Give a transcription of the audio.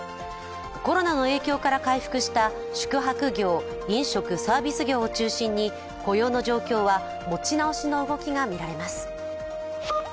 コロナの影響から回復した宿泊業・飲食サービス業を中心に雇用の状況は持ち直しの動きが見られます。